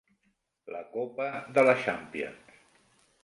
La copa de la Champions.